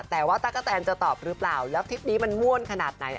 แต่ว่าตั๊กกะแตนจะตอบหรือเปล่าแล้วทริปนี้มันม่วนขนาดไหน